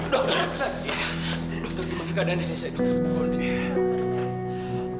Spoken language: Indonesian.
dokter gimana keadaannya nenek say